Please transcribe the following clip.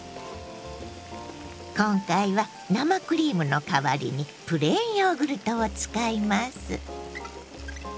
今回は生クリームのかわりにプレーンヨーグルトを使います。